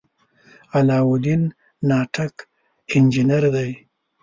علاالدین ناټک انجنیر دی.